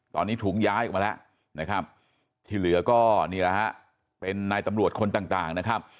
ตอนนี้ถูกย้ายออกมาแล้วนะครับที่เหลือก็นี่แหละฮะเป็นนายตำรวจคนต่างนะครับ